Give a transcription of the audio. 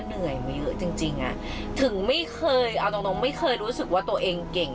เหนื่อยมาเยอะจริงจริงอ่ะถึงไม่เคยเอาตรงไม่เคยรู้สึกว่าตัวเองเก่ง